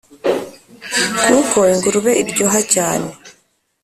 Kuko ingurube iryoha cyane,